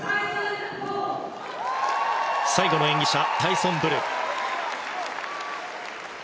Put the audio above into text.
最後の演技者、タイソン・ブル。